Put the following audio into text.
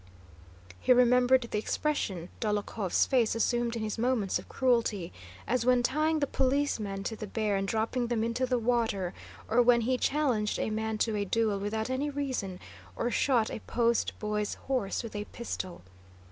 He remembered the expression Dólokhov's face assumed in his moments of cruelty, as when tying the policeman to the bear and dropping them into the water, or when he challenged a man to a duel without any reason, or shot a post boy's horse with a pistol.